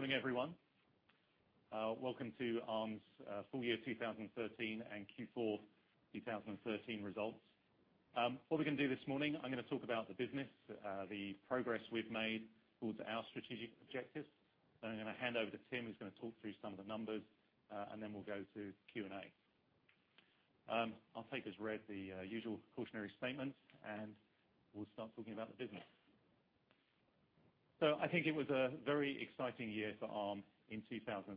Good morning, everyone. Welcome to Arm's full year 2013 and Q4 2013 results. We're going to do this morning, I'm going to talk about the business, the progress we've made towards our strategic objectives. I'm going to hand over to Tim, who's going to talk through some of the numbers, then we'll go to Q&A. I'll take as read the usual cautionary statement, we'll start talking about the business. I think it was a very exciting year for Arm in 2013.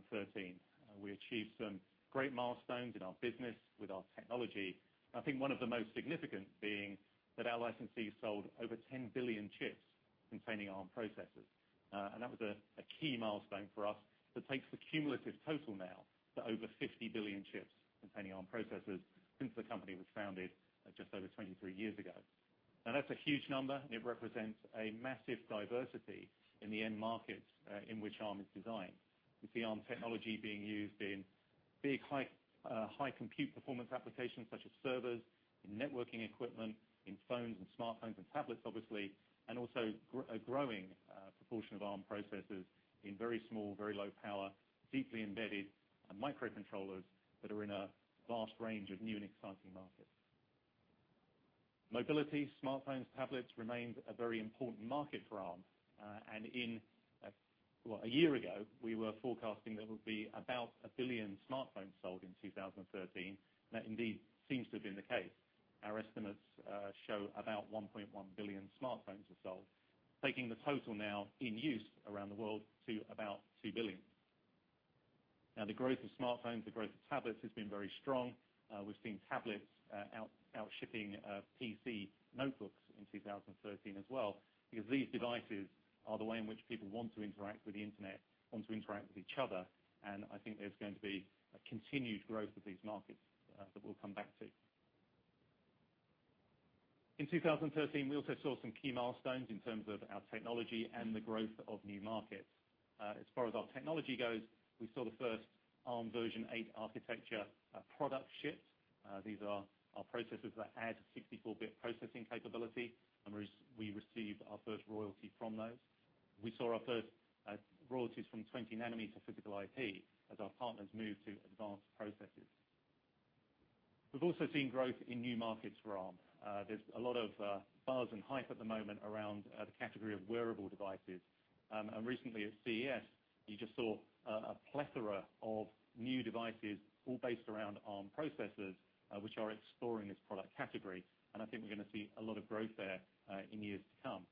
We achieved some great milestones in our business with our technology. I think one of the most significant being that our licensees sold over 10 billion chips containing Arm processors. That was a key milestone for us that takes the cumulative total now to over 50 billion chips containing Arm processors since the company was founded just over 23 years ago. That's a huge number. It represents a massive diversity in the end markets in which Arm is designed. You see Arm technology being used in big, high compute performance applications such as servers, in networking equipment, in phones and smartphones and tablets, obviously, also a growing proportion of Arm processors in very small, very low power, deeply embedded microcontrollers that are in a vast range of new and exciting markets. Mobility, smartphones, tablets remains a very important market for Arm. A year ago, we were forecasting there would be about 1 billion smartphones sold in 2013. That indeed seems to have been the case. Our estimates show about 1.1 billion smartphones were sold, taking the total now in use around the world to about 2 billion. The growth of smartphones, the growth of tablets has been very strong. We've seen tablets out shipping PC notebooks in 2013 as well. These devices are the way in which people want to interact with the internet, want to interact with each other. I think there's going to be a continued growth of these markets that we'll come back to. In 2013, we also saw some key milestones in terms of our technology and the growth of new markets. As far as our technology goes, we saw the first Arm ARMv8 architecture product shipped. These are our processors that add 64-bit processing capability, we received our first royalty from those. We saw our first royalties from 20 nanometer physical IP as our partners moved to advanced processes. We've also seen growth in new markets for Arm. There's a lot of buzz and hype at the moment around the category of wearable devices. Recently at CES, you just saw a plethora of new devices all based around Arm processors, which are exploring this product category. I think we're going to see a lot of growth there, in years to come.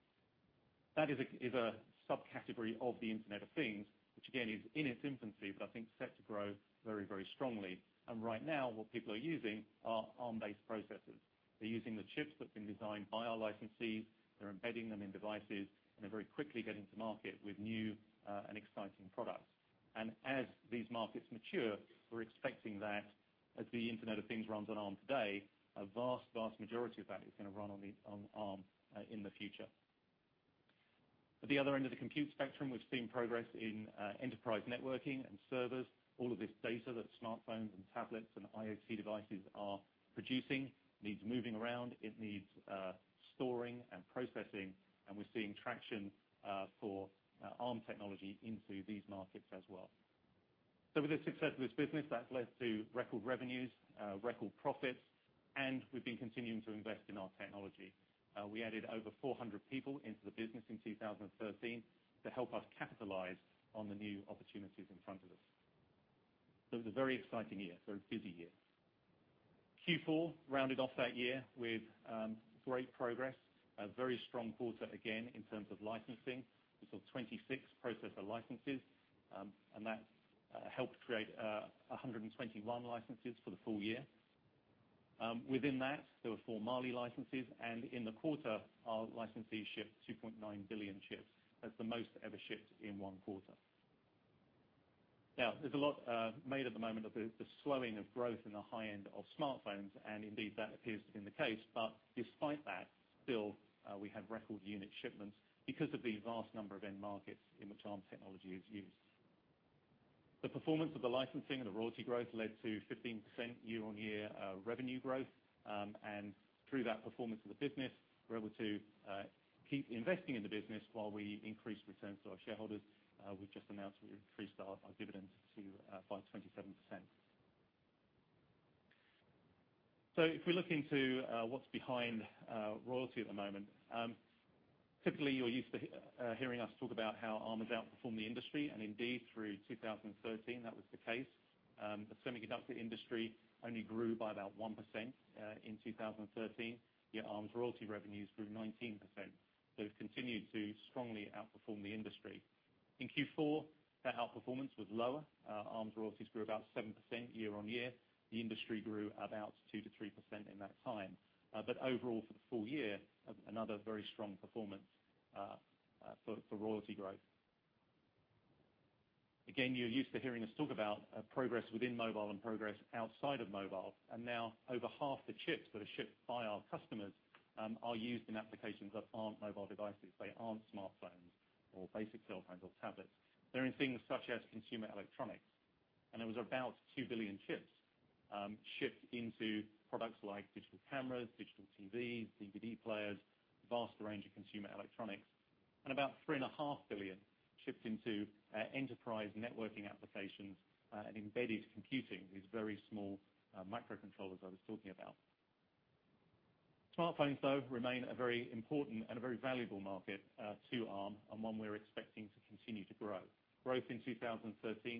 That is a subcategory of the Internet of Things, which again, is in its infancy, but I think set to grow very strongly. Right now what people are using are Arm-based processors. They're using the chips that have been designed by our licensees. They're embedding them in devices, they're very quickly getting to market with new and exciting products. As these markets mature, we're expecting that as the Internet of Things runs on Arm today, a vast majority of that is going to run on Arm, in the future. At the other end of the compute spectrum, we've seen progress in enterprise networking and servers. All of this data that smartphones and tablets and IoT devices are producing needs moving around. It needs storing and processing. We're seeing traction for Arm technology into these markets as well. With the success of this business, that's led to record revenues, record profits, and we've been continuing to invest in our technology. We added over 400 people into the business in 2013 to help us capitalize on the new opportunities in front of us. It was a very exciting year, very busy year. Q4 rounded off that year with great progress. A very strong quarter, again, in terms of licensing. We saw 26 processor licenses, and that helped create 121 licenses for the full year. Within that, there were four Mali licenses, and in the quarter, our licensees shipped 2.9 billion chips. That's the most ever shipped in one quarter. There's a lot made at the moment of the slowing of growth in the high end of smartphones, and indeed that appears to have been the case. Despite that, still, we have record unit shipments because of the vast number of end markets in which Arm technology is used. The performance of the licensing and the royalty growth led to 15% year-on-year revenue growth. Through that performance of the business, we're able to keep investing in the business while we increase returns to our shareholders. We've just announced we increased our dividends by 27%. If we look into what's behind royalty at the moment. Typically, you're used to hearing us talk about how Arm has outperformed the industry, and indeed through 2013, that was the case. The semiconductor industry only grew by about 1% in 2013, yet Arm's royalty revenues grew 19%. We've continued to strongly outperform the industry. In Q4, that outperformance was lower. Arm's royalties grew about 7% year-on-year. The industry grew about 2%-3% in that time. Overall for the full year, another very strong performance for royalty growth. Again, you're used to hearing us talk about progress within mobile and progress outside of mobile. Now over half the chips that are shipped by our customers are used in applications that aren't mobile devices. They aren't smartphones or basic cell phones or tablets. They're in things such as consumer electronics. It was about 2 billion chips shipped into products like digital cameras, digital TVs, DVD players, vast range of consumer electronics, and about three and a half billion shipped into enterprise networking applications and embedded computing, these very small microcontrollers I was talking about. Smartphones, though, remain a very important and a very valuable market to Arm, and one we're expecting to continue to grow. Growth in 2013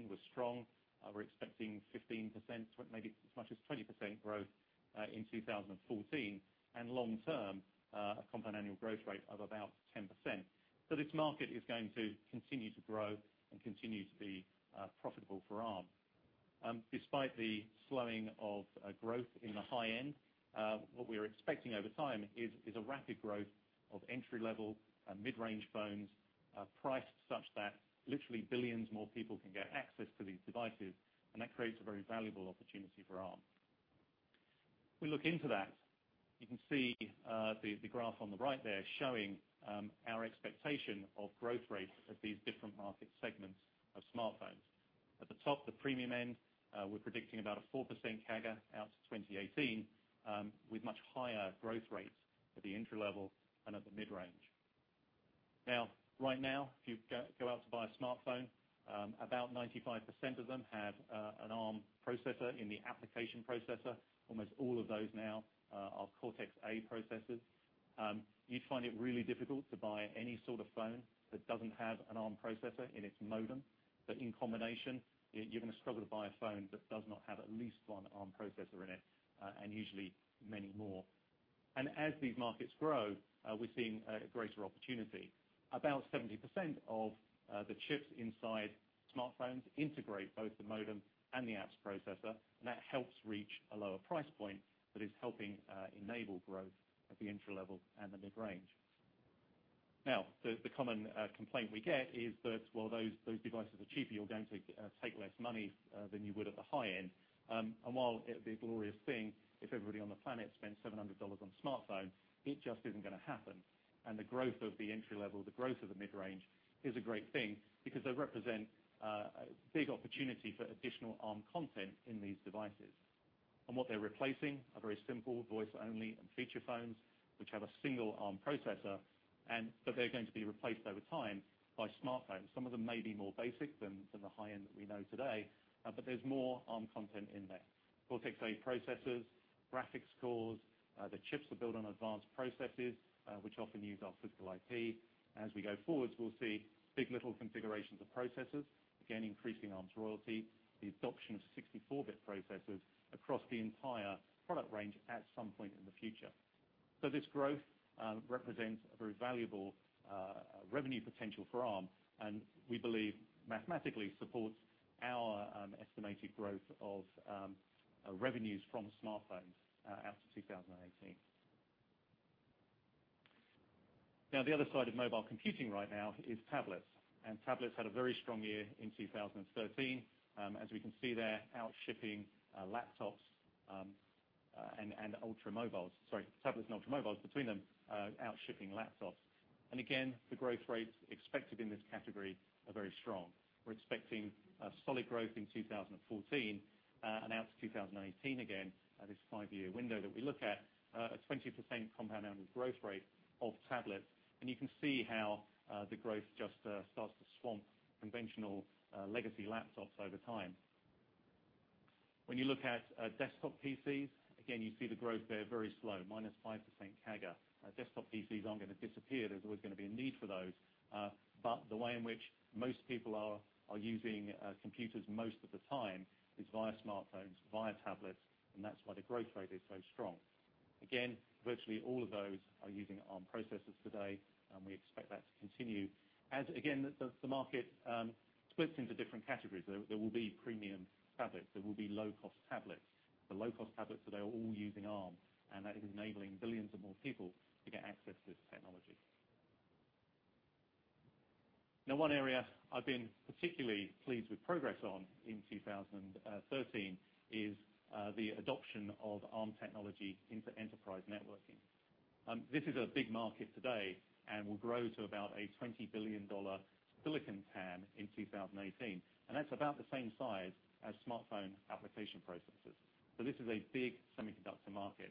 was strong. We're expecting 15%, maybe as much as 20% growth, in 2014. Long term, a compound annual growth rate of about 10%. This market is going to continue to grow and continue to be profitable for Arm. Despite the slowing of growth in the high-end, what we're expecting over time is a rapid growth of entry-level and mid-range phones priced such that literally billions more people can get access to these devices. That creates a very valuable opportunity for Arm. We look into that. You can see the graph on the right there showing our expectation of growth rates of these different market segments of smartphones. At the top, the premium end, we're predicting about a 4% CAGR out to 2018, with much higher growth rates at the entry-level and at the mid-range. Right now, if you go out to buy a smartphone, about 95% of them have an Arm processor in the application processor. Almost all of those now are Cortex-A processors. You'd find it really difficult to buy any sort of phone that doesn't have an Arm processor in its modem. In combination, you're going to struggle to buy a phone that does not have at least one Arm processor in it, and usually many more. As these markets grow, we're seeing a greater opportunity. About 70% of the chips inside smartphones integrate both the modem and the apps processor, and that helps reach a lower price point that is helping enable growth at the entry-level and the mid-range. The common complaint we get is that while those devices are cheaper, you're going to take less money than you would at the high end. While it'd be a glorious thing if everybody on the planet spent $700 on smartphones, it just isn't going to happen. The growth of the entry-level, the growth of the mid-range is a great thing because they represent a big opportunity for additional Arm content in these devices. What they're replacing are very simple voice-only and feature phones, which have a single Arm processor. They're going to be replaced over time by smartphones. Some of them may be more basic than the high end that we know today. There's more Arm content in there. Cortex-A processors, graphics cores, the chips that build on advanced processes, which often use our physical IP. As we go forwards, we'll see big. LITTLE configurations of processors, again, increasing Arm's royalty, the adoption of 64-bit processors across the entire product range at some point in the future. This growth represents a very valuable revenue potential for Arm, and we believe mathematically supports our estimated growth of revenues from smartphones out to 2018. The other side of mobile computing right now is tablets. Tablets had a very strong year in 2013. As we can see there, Tablets and ultra-mobiles between them out shipping laptops. Again, the growth rates expected in this category are very strong. We're expecting a solid growth in 2014, and out to 2018, again, this five-year window that we look at, a 20% compound annual growth rate of tablets. You can see how the growth just starts to swamp conventional legacy laptops over time. When you look at desktop PCs, again, you see the growth there very slow, minus 5% CAGR. Desktop PCs aren't going to disappear. There's always going to be a need for those. The way in which most people are using computers most of the time is via smartphones, via tablets, and that's why the growth rate is so strong. Again, virtually all of those are using Arm processors today, and we expect that to continue. Again, the market splits into different categories. There will be premium tablets. There will be low-cost tablets. The low-cost tablets today are all using Arm, and that is enabling billions of more people to get access to this technology. One area I've been particularly pleased with progress on in 2013 is the adoption of Arm technology into enterprise networking. This is a big market today and will grow to about a GBP 20 billion silicon TAM in 2018. That's about the same size as smartphone application processors. This is a big semiconductor market.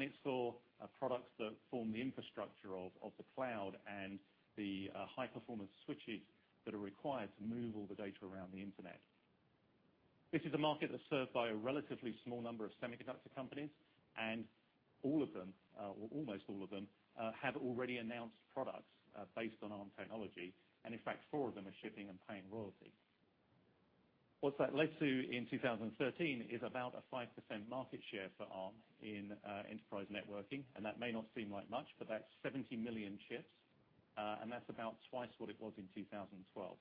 It's for products that form the infrastructure of the cloud and the high-performance switches that are required to move all the data around the internet. This is a market that's served by a relatively small number of semiconductor companies, and all of them, or almost all of them, have already announced products based on Arm technology. In fact, four of them are shipping and paying royalty. What that led to in 2013 is about a 5% market share for Arm in enterprise networking, and that may not seem like much, but that's 70 million chips. That's about twice what it was in 2012.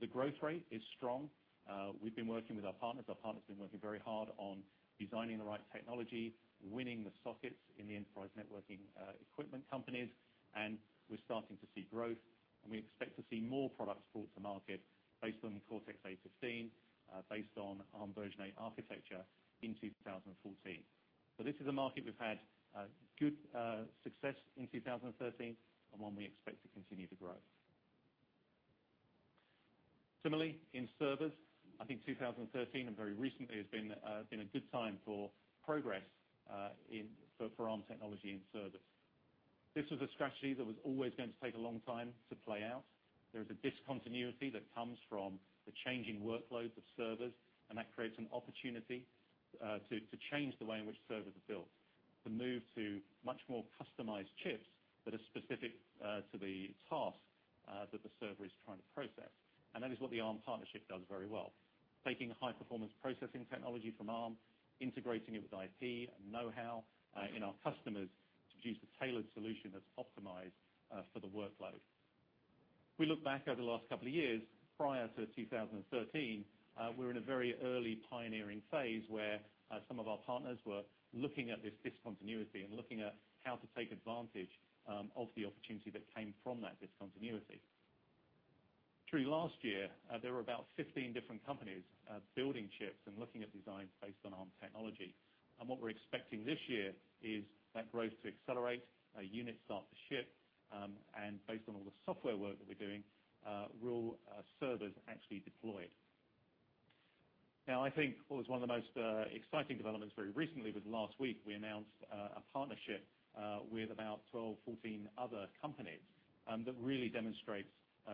The growth rate is strong. We've been working with our partners. Our partners have been working very hard on designing the right technology, winning the sockets in the enterprise networking equipment companies, and we're starting to see growth. We expect to see more products brought to market based on Cortex-A15, based on ARMv8 architecture in 2014. This is a market we've had good success in 2013, and one we expect to continue to grow. Similarly, in servers, I think 2013 and very recently has been a good time for progress for Arm technology in servers. This was a strategy that was always going to take a long time to play out. There is a discontinuity that comes from the changing workloads of servers, and that creates an opportunity to change the way in which servers are built. To move to much more customized chips that are specific to the task that the server is trying to process. That is what the Arm partnership does very well. Taking high performance processing technology from Arm, integrating it with IP and knowhow in our customers to produce a tailored solution that's optimized for the workload. If we look back over the last couple of years, prior to 2013, we were in a very early pioneering phase where some of our partners were looking at this discontinuity and looking at how to take advantage of the opportunity that came from that discontinuity. Through last year, there were about 15 different companies building chips and looking at designs based on Arm technology. What we're expecting this year is that growth to accelerate, units start to ship, and based on all the software work that we're doing, real servers actually deployed. I think what was one of the most exciting developments very recently was last week we announced a partnership with about 12, 14 other companies, that really demonstrates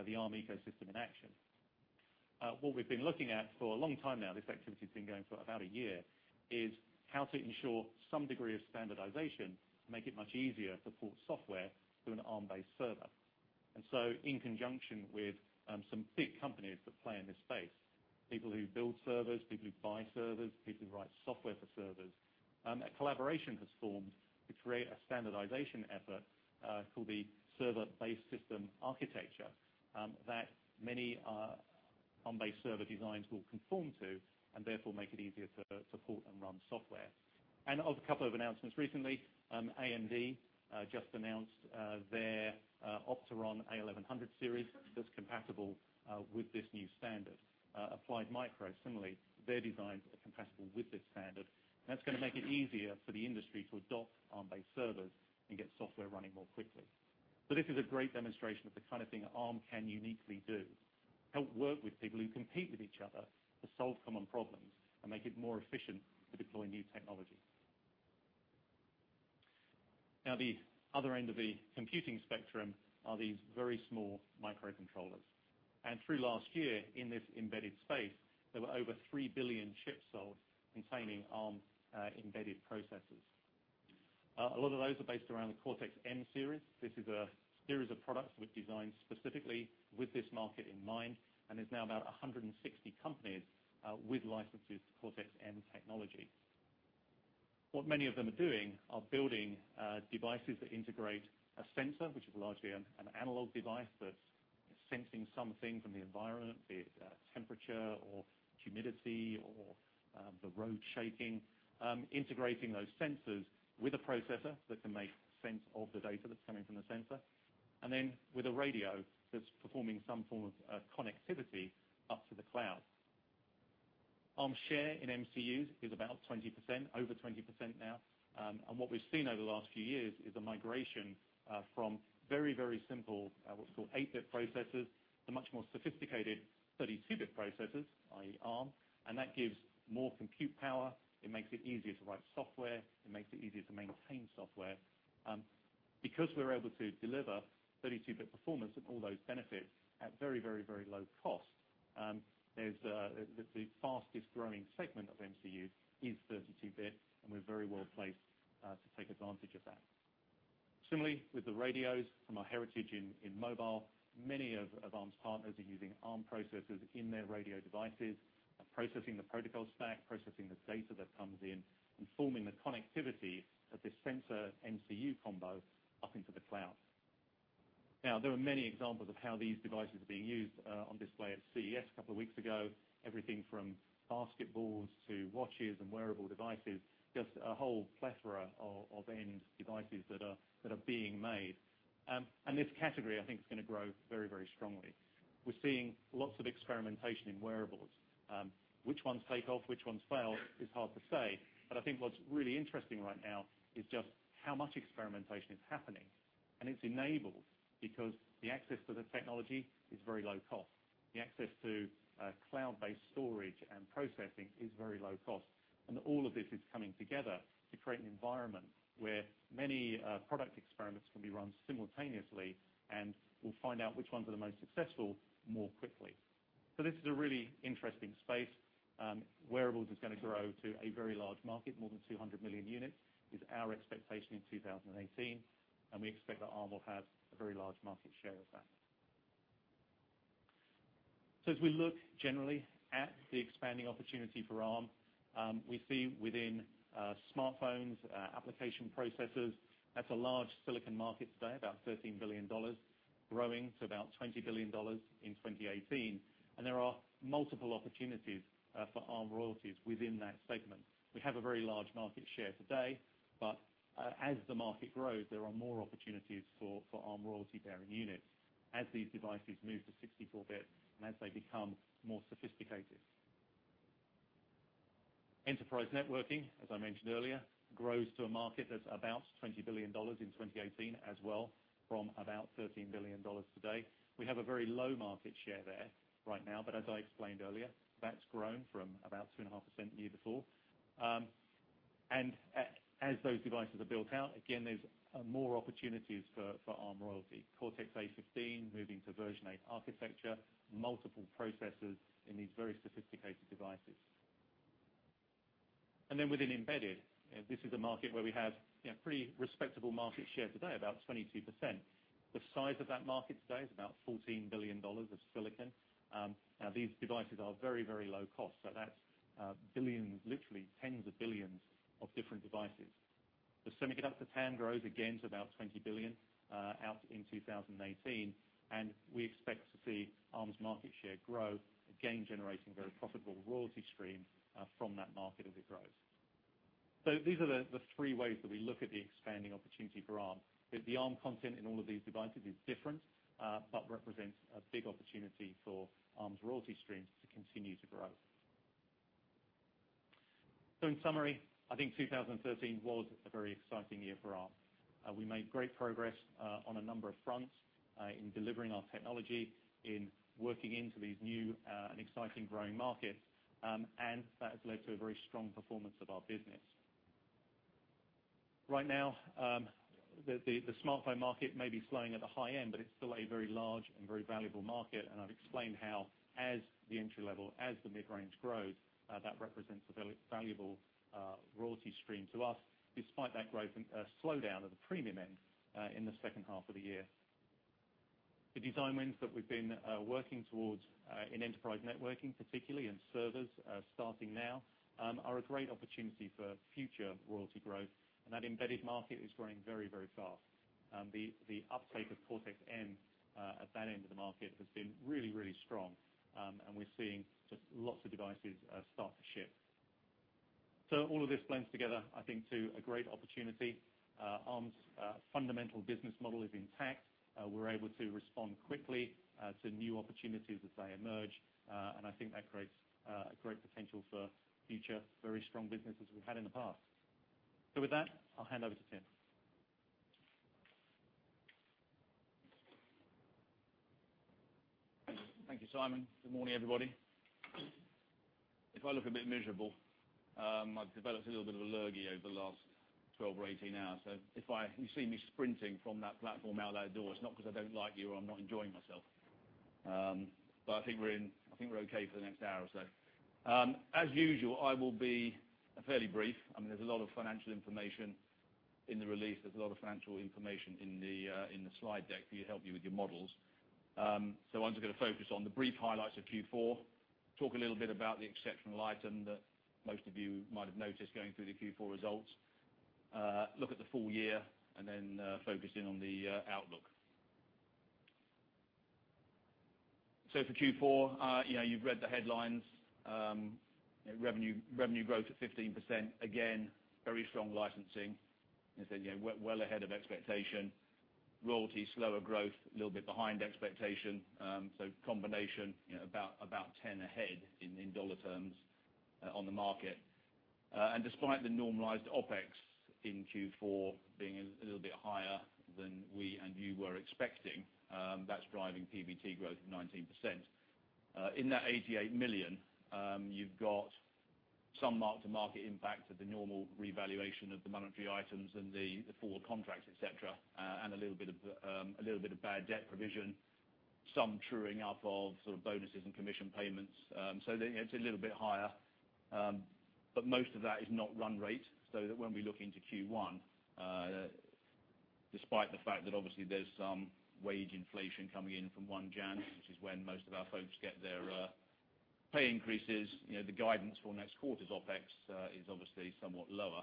the Arm ecosystem in action. What we've been looking at for a long time now, this activity has been going for about a year, is how to ensure some degree of standardization to make it much easier to port software to an Arm-based server. In conjunction with some big companies that play in this space, people who build servers, people who buy servers, people who write software for servers, a collaboration has formed to create a standardization effort called the Server Base System Architecture, that many Arm-based server designs will conform to, and therefore make it easier to port and run software. Of a couple of announcements recently, AMD just announced their Opteron A1100 series that's compatible with this new standard. Applied Micro, similarly, their designs are compatible with this standard. That's going to make it easier for the industry to adopt Arm-based servers and get software running more quickly. This is a great demonstration of the kind of thing Arm can uniquely do. Help work with people who compete with each other to solve common problems and make it more efficient to deploy new technology. The other end of the computing spectrum are these very small microcontrollers. Through last year in this embedded space, there were over 3 billion chips sold containing Arm embedded processors. A lot of those are based around the Cortex-M series. This is a series of products we've designed specifically with this market in mind. There's now about 160 companies with licenses to Cortex-M technology. What many of them are doing are building devices that integrate a sensor, which is largely an analog device that's sensing something from the environment, be it temperature or humidity or the road shaking. Integrating those sensors with a processor that can make sense of the data that's coming from the sensor, with a radio that's performing some form of connectivity up to the cloud. Arm's share in MCUs is about 20%, over 20% now. What we've seen over the last few years is a migration from very, very simple, what's called eight-bit processors, to much more sophisticated 32-bit processors, i.e. Arm. That gives more compute power. It makes it easier to write software. It makes it easier to maintain software. Because we're able to deliver 32-bit performance and all those benefits at very, very, very low cost, the fastest-growing segment of MCUs is 32-bit. We're very well placed to take advantage of that. Similarly, with the radios from our heritage in mobile, many of Arm's partners are using Arm processors in their radio devices and processing the protocol stack, processing the data that comes in, and forming the connectivity of this sensor MCU combo up into the cloud. There are many examples of how these devices are being used on display at CES a couple of weeks ago. Everything from basketballs to watches and wearable devices, just a whole plethora of end devices that are being made. This category, I think is going to grow very, very strongly. We're seeing lots of experimentation in wearables. Which ones take off, which ones fail is hard to say. I think what's really interesting right now is just how much experimentation is happening. It's enabled because the access to the technology is very low cost. The access to cloud-based storage and processing is very low cost. All of this is coming together to create an environment where many product experiments can be run simultaneously, and we'll find out which ones are the most successful more quickly. This is a really interesting space. Wearables is going to grow to a very large market. More than 200 million units is our expectation in 2018. We expect that Arm will have a very large market share of that. As we look generally at the expanding opportunity for Arm, we see within smartphones, application processors, that's a large silicon market today, about GBP 13 billion, growing to about GBP 20 billion in 2018. There are multiple opportunities for Arm royalties within that segment. We have a very large market share today. As the market grows, there are more opportunities for Arm royalty-bearing units as these devices move to 64-bit and as they become more sophisticated. Enterprise networking, as I mentioned earlier, grows to a market that's about GBP 20 billion in 2018 as well, from about GBP 13 billion today. We have a very low market share there right now, as I explained earlier, that's grown from about 2.5% the year before. As those devices are built out, again, there's more opportunities for Arm royalty. Cortex-A15 moving to version 8 architecture, multiple processors in these very sophisticated devices. Within embedded, this is a market where we have a pretty respectable market share today, about 22%. The size of that market today is about GBP 14 billion of silicon. Now, these devices are very low cost, so that's billions, literally tens of billions of different devices. The semiconductor TAM grows again to about 20 billion out in 2018, and we expect to see Arm's market share grow, again, generating very profitable royalty streams from that market as it grows. These are the three ways that we look at the expanding opportunity for Arm. The Arm content in all of these devices is different, but represents a big opportunity for Arm's royalty stream to continue to grow. In summary, I think 2013 was a very exciting year for Arm. We made great progress on a number of fronts in delivering our technology, in working into these new and exciting growing markets, and that has led to a very strong performance of our business. Right now, the smartphone market may be slowing at the high end, but it's still a very large and very valuable market, and I've explained how, as the entry level, as the mid-range grows, that represents a valuable royalty stream to us despite that growth and slowdown of the premium end in the second half of the year. The design wins that we've been working towards in enterprise networking particularly, and servers starting now, are a great opportunity for future royalty growth, and that embedded market is growing very fast. The uptake of Cortex-M at that end of the market has been really strong, and we're seeing just lots of devices start to ship. All of this blends together, I think to a great opportunity. Arm's fundamental business model is intact. We're able to respond quickly to new opportunities as they emerge, and I think that creates a great potential for future very strong business as we had in the past. With that, I'll hand over to Tim. Thank you, Simon. Good morning, everybody. If I look a bit miserable, I've developed a little bit of an allergy over the last 12 or 18 hours. If you see me sprinting from that platform out that door, it's not because I don't like you or I'm not enjoying myself. I think we're okay for the next hour or so. As usual, I will be fairly brief. There's a lot of financial information in the release. There's a lot of financial information in the slide deck to help you with your models. I'm just going to focus on the brief highlights of Q4, talk a little bit about the exceptional item that most of you might have noticed going through the Q4 results, look at the full year, and then focus in on the outlook. For Q4, you've read the headlines. Revenue growth at 15%. Again, very strong licensing. As I said, well ahead of expectation. Royalty, slower growth, little bit behind expectation. Combination, about $10 ahead in dollar terms on the market. Despite the normalized OpEx in Q4 being a little bit higher than we and you were expecting, that's driving PBT growth of 19%. In that 88 million, you've got some mark-to-market impact of the normal revaluation of the monetary items and the forward contracts, et cetera, and a little bit of bad debt provision, some truing up of bonuses and commission payments. It's a little bit higher. Most of that is not run rate. When we look into Q1, despite the fact that obviously there's some wage inflation coming in from 1 Jan, which is when most of our folks get their pay increases, the guidance for next quarter's OpEx is obviously somewhat lower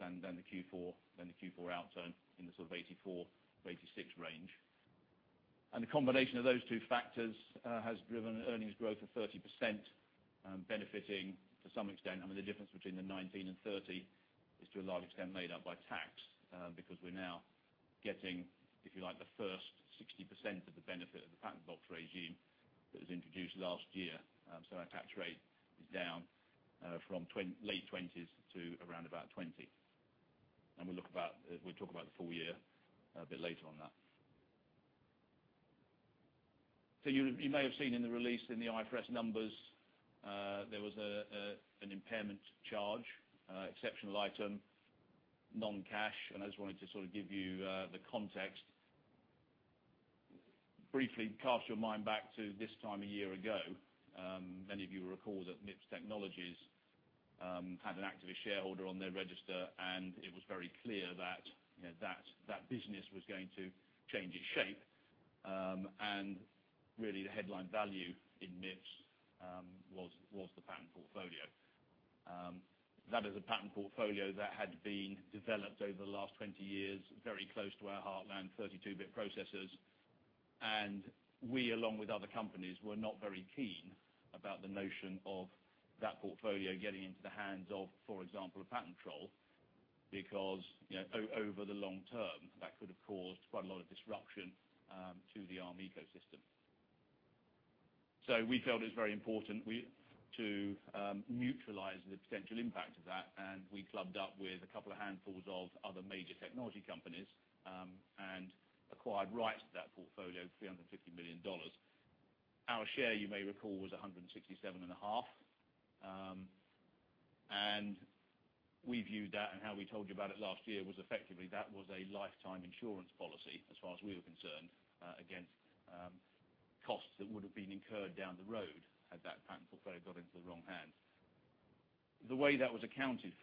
than the Q4 outturn in the sort of 84 million-86 million range. The combination of those two factors has driven earnings growth of 30%, benefiting to some extent. The difference between the 19% and 30% is to a large extent made up by tax, because we're now getting, if you like, the first 60% of the benefit of the patent box regime that was introduced last year. Our tax rate is down from late 20s to around 20%. We'll talk about the full year a bit later on that. You may have seen in the release in the IFRS numbers, there was an impairment charge, exceptional item, non-cash. I just wanted to give you the context. Briefly cast your mind back to this time a year ago. Many of you will recall that MIPS Technologies had an activist shareholder on their register, and it was very clear that business was going to change its shape. Really the headline value in MIPS was the patent portfolio. That is a patent portfolio that had been developed over the last 20 years, very close to our heart, 32-bit processors. We, along with other companies, were not very keen about the notion of that portfolio getting into the hands of, for example, a patent troll, because over the long term, that could have caused quite a lot of disruption to the Arm ecosystem. We felt it was very important to neutralize the potential impact of that, and we clubbed up with a couple of handfuls of other major technology companies, and acquired rights to that portfolio for GBP 350 million. Our share, you may recall, was 167.5. We viewed that, and how we told you about it last year, was effectively that was a lifetime insurance policy as far as we were concerned, against costs that would have been incurred down the road had that patent portfolio got into the wrong hands. The way that was accounted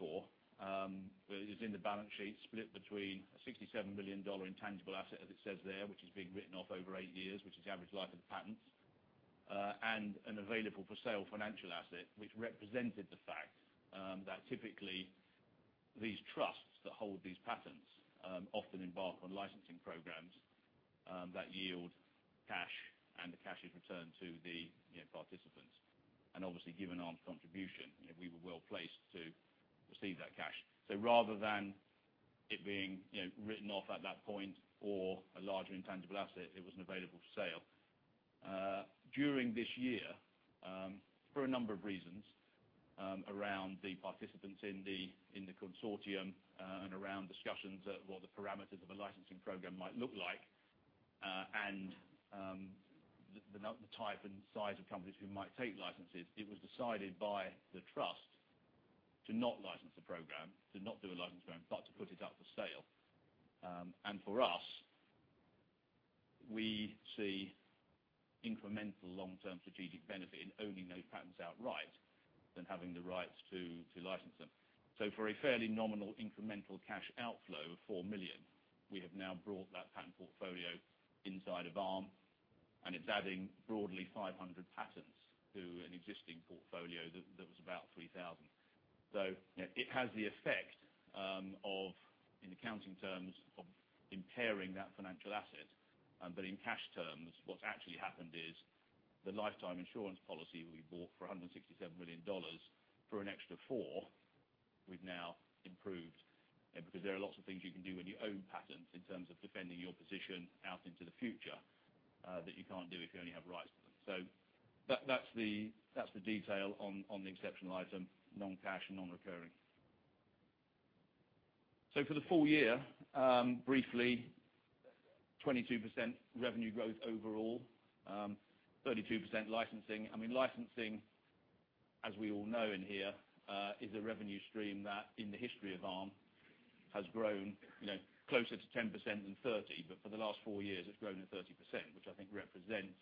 for, is in the balance sheet split between a GBP 67 million intangible asset, as it says there, which is being written off over eight years, which is the average life of the patents, and an available-for-sale financial asset, which represented the fact that typically, these trusts that hold these patents often embark on licensing programs that yield cash, and the cash is returned to the participants. Obviously, given Arm's contribution, we were well-placed to receive that cash. Rather than it being written off at that point or a larger intangible asset, it was an available for sale. During this year, for a number of reasons around the participants in the consortium and around discussions at what the parameters of a licensing program might look like, and the type and size of companies who might take licenses, it was decided by the trust to not license the program, to not do a license program, but to put it up for sale. For us, we see incremental long-term strategic benefit in owning those patents outright than having the rights to license them. For a fairly nominal incremental cash outflow of 4 million, we have now brought that patent portfolio inside of Arm, and it's adding broadly 500 patents to an existing portfolio that was about 3,000. It has the effect of, in accounting terms, of impairing that financial asset. In cash terms, what's actually happened is the lifetime insurance policy we bought for GBP 167 million for an extra 4, we've now improved. Because there are lots of things you can do when you own patents in terms of defending your position out into the future, that you can't do if you only have rights to them. That's the detail on the exceptional item, non-cash and non-recurring. For the full year, briefly, 22% revenue growth overall, 32% licensing. I mean, licensing, as we all know in here, is a revenue stream that, in the history of Arm, has grown closer to 10% than 30%. For the last four years, it's grown to 30%, which I think represents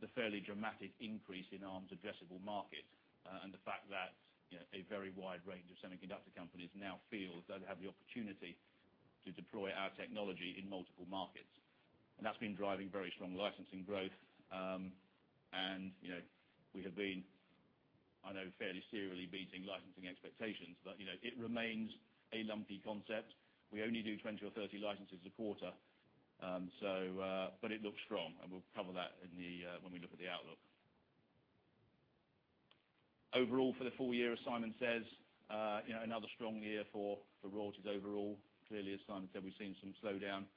the fairly dramatic increase in Arm's addressable market. The fact that a very wide range of semiconductor companies now feel as though they have the opportunity to deploy our technology in multiple markets. That has been driving very strong licensing growth. We have been fairly serially beating licensing expectations. But it remains a lumpy concept. We only do 20 or 30 licenses a quarter. But it looks strong, and we will cover that when we look at the outlook. Overall, for the full year, as Simon says, another strong year for royalties overall. Clearly, as Simon said, we have seen some slowdown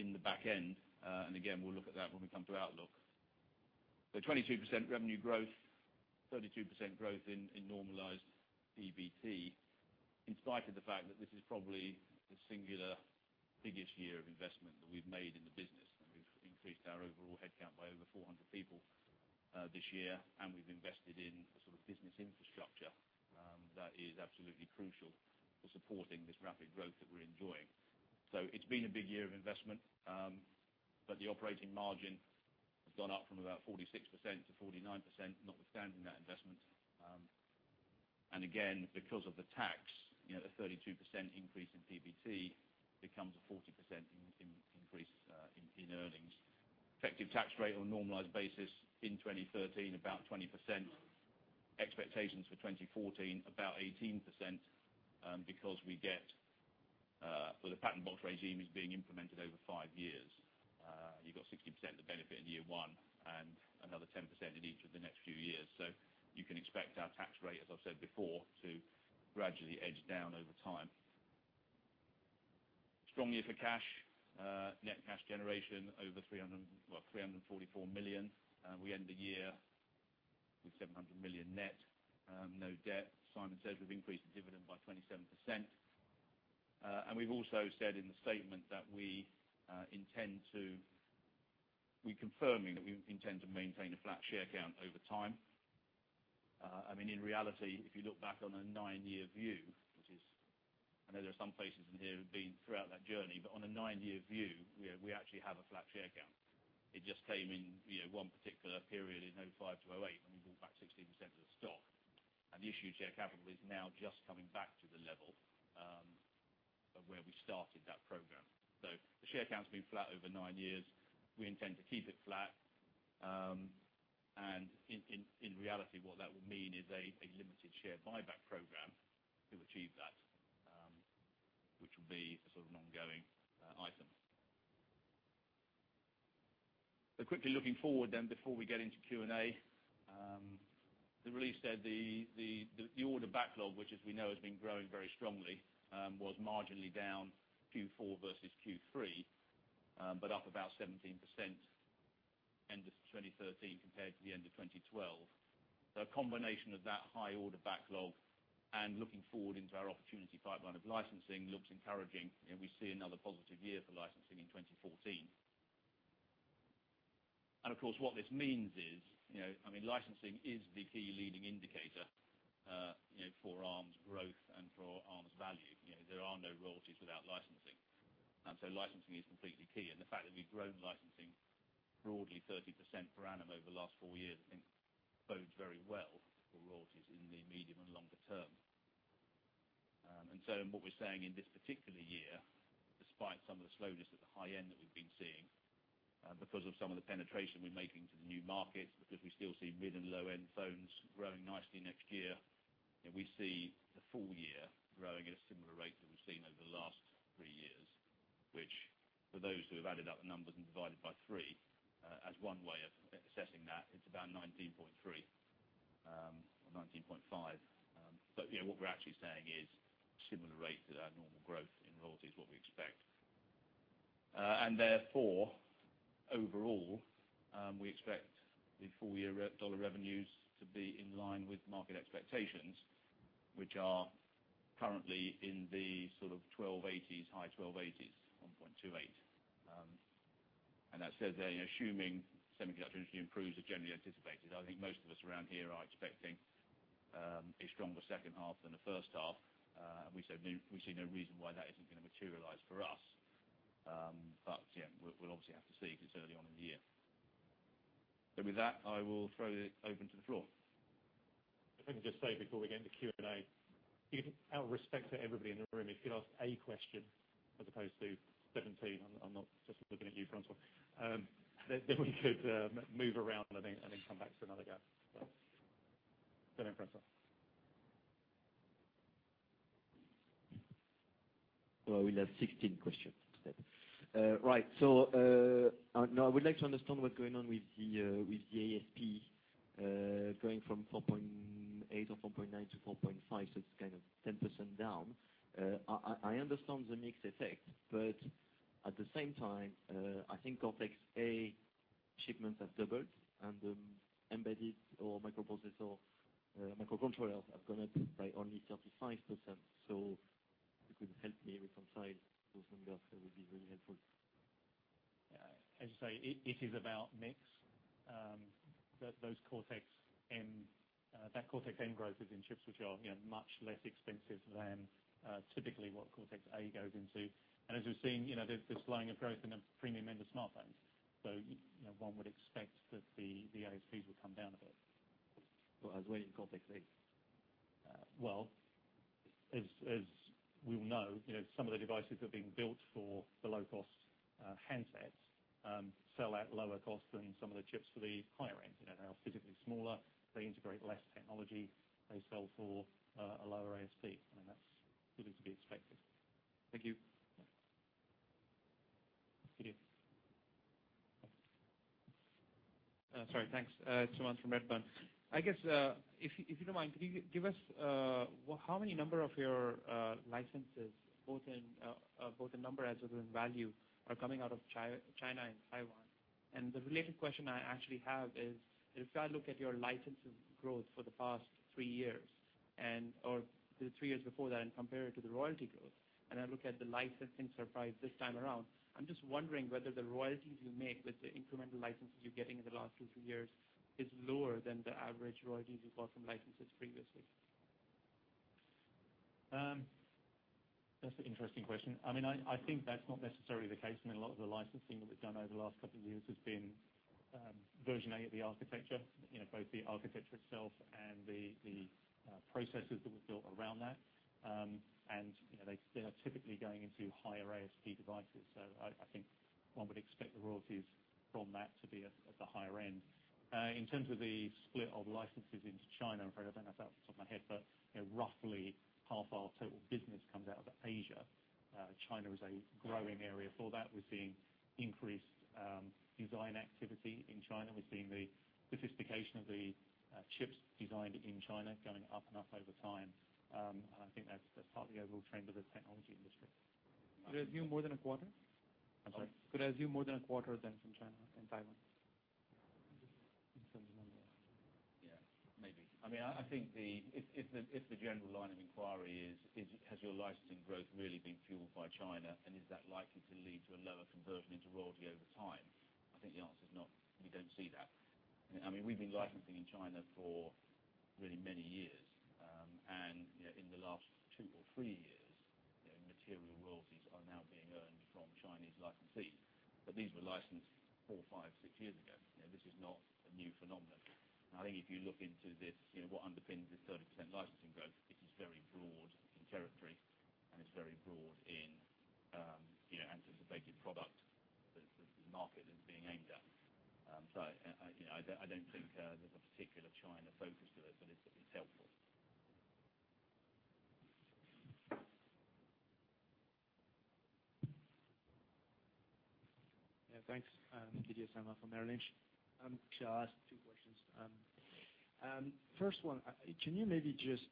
in the back end. Again, we will look at that when we come to outlook. 22% revenue growth, 32% growth in normalized PBT, in spite of the fact that this is probably the singular biggest year of investment that we have made in the business. We've increased our overall headcount by over 400 people this year, and we've invested in a sort of business infrastructure that is absolutely crucial for supporting this rapid growth that we're enjoying. So it has been a big year of investment, but the operating margin has gone up from about 46% to 49%, notwithstanding that investment. Again, because of the tax, the 32% increase in PBT becomes a 40% increase in earnings. Effective tax rate on a normalized basis in 2013, about 20%. Expectations for 2014, about 18%, because we get-- Well, the patent box regime is being implemented over five years. You got 60% of the benefit in year one and another 10% in each of the next few years. You can expect our tax rate, as I've said before, to gradually edge down over time. Strong year for cash. Net cash generation over 344 million. We end the year with 700 million net. No debt. Simon said we've increased the dividend by 27%. We've also said in the statement that we intend to-- We're confirming that we intend to maintain a flat share count over time. In reality, if you look back on a nine-year view, which is-- I know there are some faces in here who've been throughout that journey, but on a nine-year view, we actually have a flat share count. It just came in one particular period in 2005 to 2008, when we bought back 60% of the stock. The issued share capital is now just coming back to the level of where we started that program. So the share count's been flat over nine years. We intend to keep it flat. In reality, what that will mean is a limited share buyback program to achieve that. Which will be sort of an ongoing item. Quickly looking forward then before we get into Q&A. The release said the order backlog, which as we know has been growing very strongly, was marginally down Q4 versus Q3, but up about 17% end of 2013 compared to the end of 2012. A combination of that high order backlog and looking forward into our opportunity pipeline of licensing looks encouraging, and we see another positive year for licensing in 2014. Of course, what this means is, licensing is the key leading indicator for Arm's growth and for Arm's value. There are no royalties without licensing, and so licensing is completely key. The fact that we've grown licensing broadly 30% per annum over the last four years, I think bodes very well for royalties in the medium and longer term. What we're saying in this particular year, despite some of the slowness at the high end that we've been seeing, because of some of the penetration we're making to the new markets, because we still see mid and low-end phones growing nicely next year, we see the full year growing at a similar rate that we've seen over the last three years. Which for those who have added up the numbers and divided by three, as one way of assessing that, it's about 19.3% or 19.5%. What we're actually saying is similar rate to our normal growth in royalties is what we expect. Therefore, overall, we expect the full-year dollar revenues to be in line with market expectations, which are currently in the sort of $12.80s, high $12.80s, $1.28. That said, assuming semiconductor industry improves as generally anticipated. I think most of us around here are expecting a stronger second half than the first half. We see no reason why that isn't going to materialize for us. Yeah, we'll obviously have to see because early on in the year. With that, I will throw it open to the floor. If I can just say before we get into Q&A. Out of respect to everybody in the room, if you'd ask a question as opposed to 17, I'm not just looking at you, Francois. We could move around and come back to another go. Go ahead, Francois. Well, I will have 16 questions today. Right. I would like to understand what's going on with the ASP going from cents 4.8 or cents 4.9 to cents 4.5, so it's kind of 10% down. I understand the mix effect, but at the same time, I think Cortex-A shipments have doubled and the embedded or microprocessor microcontrollers have gone up by only 35%. If you could help me with some size, those numbers that would be really helpful. Yeah. As you say, it is about mix. That Cortex-M growth is in chips which are much less expensive than typically what Cortex-A goes into. As we've seen, there's slowing of growth in the premium end of smartphones. One would expect that the ASPs will come down a bit. As well in Cortex-A. Well, as we all know, some of the devices are being built for the low-cost handsets sell at lower cost than some of the chips for the higher end. They are physically smaller, they integrate less technology, they sell for a lower ASP. That's good to be expected. Thank you. Yes. Sorry. Thanks. It's Sumant from Redburn. I guess if you don't mind, could you give us how many number of your licenses, both in number as well as in value, are coming out of China and Taiwan? The related question I actually have is, if I look at your licenses growth for the past three years or the three years before that and compare it to the royalty growth, and I look at the licensing surprise this time around, I'm just wondering whether the royalties you make with the incremental licenses you're getting in the last two, three years is lower than the average royalties you got from licenses previously. That's an interesting question. I think that's not necessarily the case. A lot of the licensing that we've done over the last couple of years has been version A of the architecture, both the architecture itself and the processes that were built around that. They are typically going into higher ASP devices. I think one would expect the royalties from that to be at the higher end. In terms of the split of licenses into China, I'm afraid I don't have that off the top of my head, but roughly half our total business comes out of Asia. China is a growing area for that. We're seeing increased design activity in China. We're seeing the sophistication of the chips designed in China going up and up over time. I think that's partly a overall trend of the technology industry. Could I assume more than a quarter? I'm sorry. Could I assume more than a quarter then from China and Taiwan? In terms of numbers. Yeah. Maybe. I think if the general line of inquiry is, has your licensing growth really been fueled by China, is that likely to lead to a lower conversion into royalty over time? I think the answer is not, we don't see that. We've been licensing in China for really many years. In the last two or three years, material royalties are now being earned from Chinese licensees. These were licensed four, five, six years ago. This is not a new phenomenon. I think if you look into this, what underpins this 30% licensing growth, it is very broad in territory, it's very broad in The product that the market is being aimed at. I don't think there's a particular China focus to it, but it's helpful. Yeah, thanks. Didier Scemama from Merrill Lynch. I'll ask two questions. First one, can you maybe just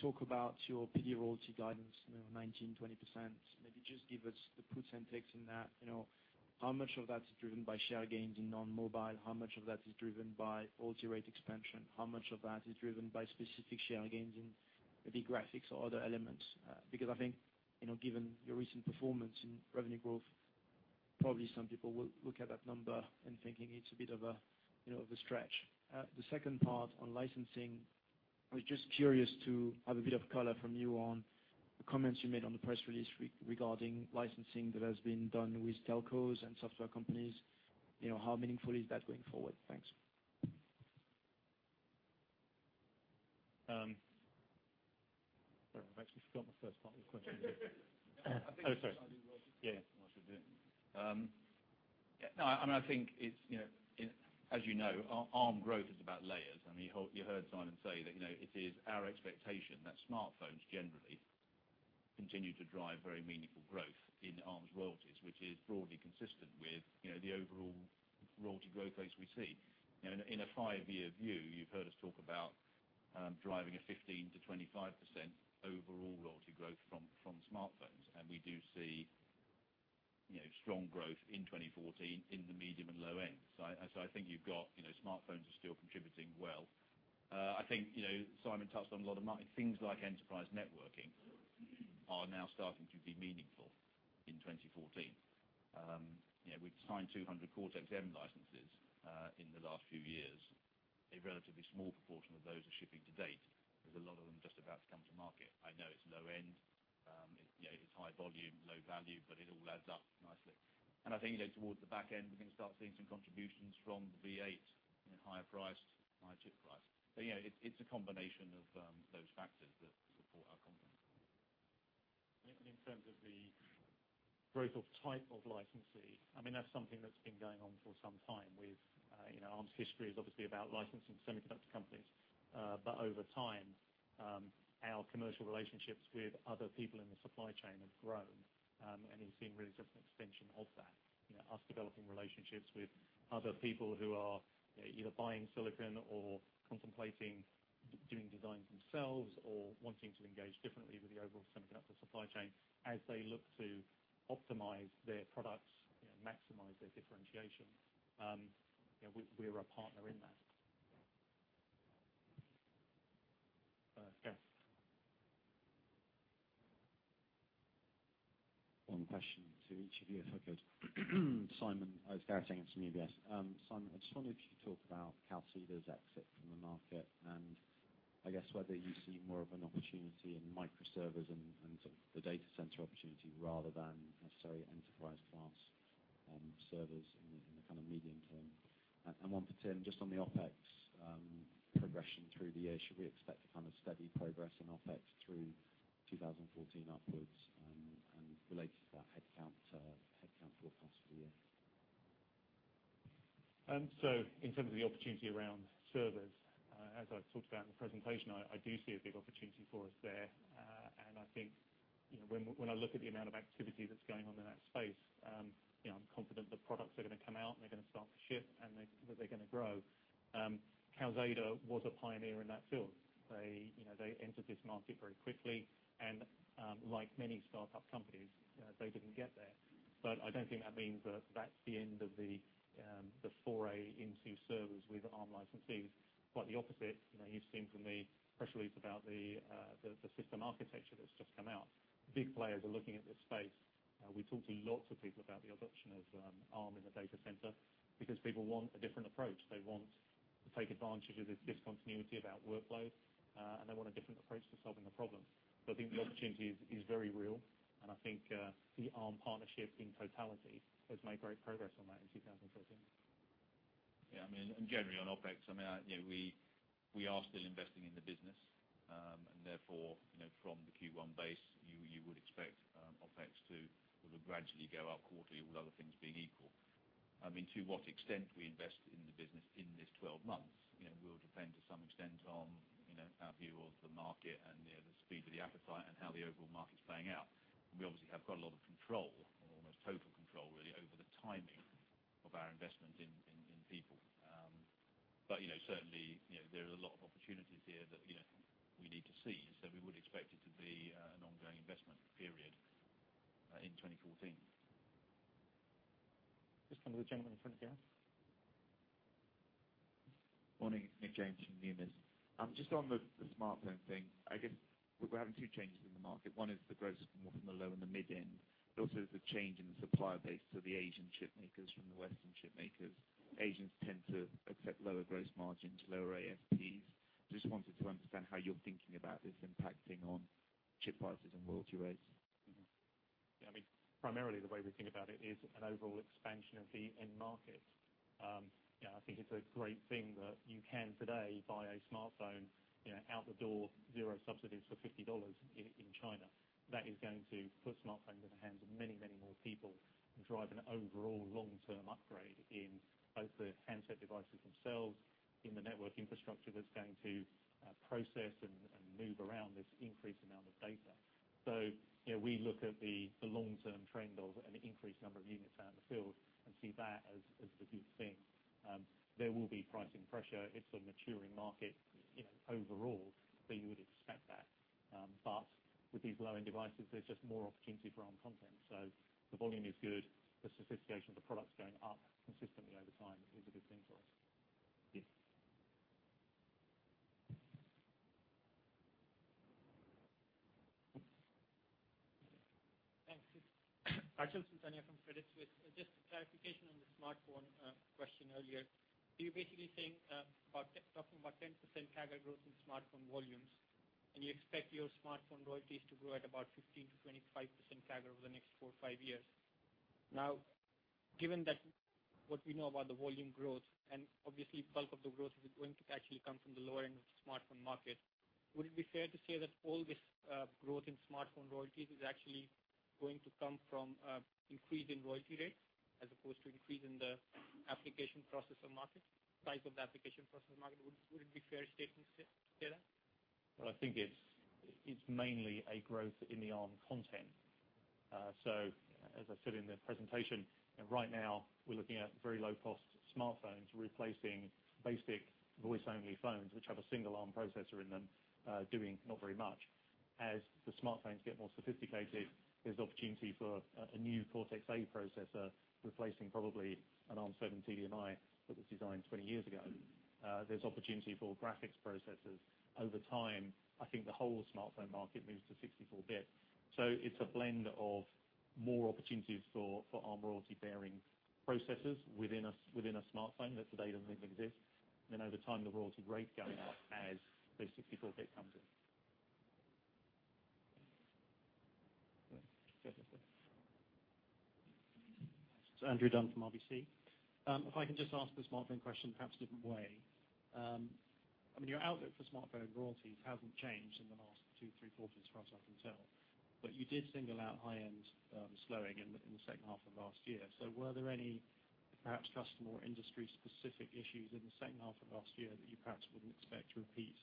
talk about your Processor Division royalty guidance, 19%, 20%? Maybe just give us the puts and takes in that. How much of that is driven by share gains in non-mobile? How much of that is driven by royalty rate expansion? How much of that is driven by specific share gains in maybe graphics or other elements? I think, given your recent performance in revenue growth, probably some people will look at that number and think it's a bit of a stretch. The second part on licensing, I was just curious to have a bit of color from you on the comments you made on the press release regarding licensing that has been done with telcos and software companies. How meaningful is that going forward? Thanks. Sorry, I've actually forgot the first part of the question. Oh, sorry. As you know, Arm growth is about layers. You heard Simon say that it is our expectation that smartphones generally continue to drive very meaningful growth in Arm's royalties, which is broadly consistent with the overall royalty growth rates we see. In a five-year view, you've heard us talk about driving a 15%-25% overall royalty growth from smartphones. We do see strong growth in 2014 in the medium and low end. I think you've got smartphones are still contributing well. I think Simon touched on a lot of things like enterprise networking are now starting to be meaningful in 2014. We've signed 200 Cortex-M licenses in the last few years. A relatively small proportion of those are shipping to date. There's a lot of them just about to come to market. I know it's low end. It's high volume, low value, but it all adds up nicely. I think towards the back end, we're going to start seeing some contributions from the V8 in higher priced, higher chip price. It's a combination of those factors that support our confidence. In terms of the growth of type of licensee, that's something that's been going on for some time. Arm's history is obviously about licensing semiconductor companies. Over time, our commercial relationships with other people in the supply chain have grown. We've seen really just an extension of that, us developing relationships with other people who are either buying silicon or contemplating doing designs themselves or wanting to engage differently with the overall semiconductor supply chain as they look to optimize their products, maximize their differentiation. We're a partner in that. Yes. One question to each of you, if I could. Simon, it's Gareth from UBS. Simon, I just wondered if you could talk about Calxeda's exit from the market and I guess whether you see more of an opportunity in microservers and sort of the data center opportunity rather than necessarily enterprise class servers in the kind of medium term. One for Tim, just on the OpEx progression through the year, should we expect a kind of steady progress in OpEx through 2014 upwards and related to that headcount forecast for the year? In terms of the opportunity around servers, as I talked about in the presentation, I do see a big opportunity for us there. I think when I look at the amount of activity that's going on in that space, I'm confident the products are going to come out, and they're going to start to ship, and that they're going to grow. Calxeda was a pioneer in that field. They entered this market very quickly, and like many startup companies they didn't get there. I don't think that means that's the end of the foray into servers with Arm licensees. Quite the opposite. You've seen from the press release about the System Architecture that's just come out. Big players are looking at this space. We talk to lots of people about the adoption of Arm in the data center because people want a different approach. They want to take advantage of this discontinuity about workload, and they want a different approach to solving the problem. I think the opportunity is very real, and I think the Arm partnership in totality has made great progress on that in 2014. Generally on OpEx, we are still investing in the business. Therefore from the Q1 base, you would expect OpEx to gradually go up quarterly with other things being equal. To what extent we invest in the business in this 12 months will depend to some extent on our view of the market and the speed of the appetite and how the overall market's playing out. We obviously have got a lot of control or almost total control, really, over the timing of our investment in people. Certainly, there are a lot of opportunities here that we need to seize. We would expect it to be an ongoing investment period in 2014. Just coming to the gentleman in front here. Morning. Nick James from Numis. Just on the smartphone thing, I guess we're having two changes in the market. One is the growth more from the low and the mid end. Also, there's a change in the supplier base to the Asian chip makers from the Western chip makers. Asians tend to accept lower gross margins, lower ASPs. Just wanted to understand how you're thinking about this impacting on chip prices and royalty rates. Yeah. Primarily, the way we think about it is an overall expansion of the end market. I think it's a great thing that you can today buy a smartphone out the door, zero subsidies for $50 in China. That is going to put smartphones in the hands of many more people and drive an overall long-term upgrade in both the handset devices themselves, in the network infrastructure that's going to process and move around this increased amount of data. We look at the long-term trend of an increased number of units out in the field and see that as the good thing. There will be pricing pressure. It's a maturing market overall, so you would expect that. With these low-end devices, there's just more opportunity for Arm content. The volume is good. The sophistication of the product is going up consistently over time, is a good thing for us. Yes. Thanks. It's Arjun Sukania from Credit Suisse. Just a clarification on the smartphone question earlier. Are you basically saying talking about 10% CAGR growth in smartphone volumes, and you expect your smartphone royalties to grow at about 15%-25% CAGR over the next four or five years. Given that what we know about the volume growth, and obviously bulk of the growth is going to actually come from the lower end of the smartphone market, would it be fair to say that all this growth in smartphone royalties is actually going to come from increase in royalty rates as opposed to increase in the application processor market, size of the application processor market? Would it be fair statement to say, Segars? Well, I think it's mainly a growth in the Arm content. As I said in the presentation, right now we're looking at very low-cost smartphones replacing basic voice-only phones, which have a single Arm processor in them doing not very much. As the smartphones get more sophisticated, there's opportunity for a new Cortex-A processor replacing probably an ARM7TDMI that was designed 20 years ago. There's opportunity for graphics processors. Over time, I think the whole smartphone market moves to 64-bit. It's a blend of more opportunities for Arm royalty-bearing processors within a smartphone that today doesn't even exist, then over time, the royalty rate going up as those 64-bit comes in. Yes. It's Andrew Dunn from RBC. If I can just ask the smartphone question perhaps a different way. Your outlook for smartphone royalties hasn't changed in the last two, three quarters for us, I can tell. You did single out high-end slowing in the second half of last year. Were there any perhaps customer or industry specific issues in the second half of last year that you perhaps wouldn't expect to repeat